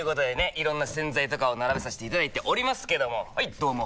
いろんな洗剤とかを並べさせていただいておりますけどもはいどうも！